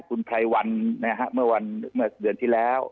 คุณไพรวันนะฮะเมื่อเดือนที่แล้ว